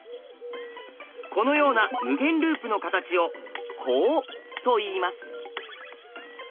このような無限ループの形を「コウ」と言います。